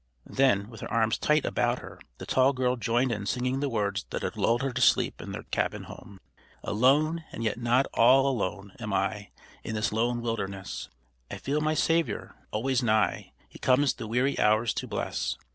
Then, with her arms tight about her, the tall girl joined in singing the words that had lulled her to sleep in their cabin home. "Alone, and yet not all alone, am I In this lone wilderness, I feel my Saviour always nigh; He comes the weary hours to bless.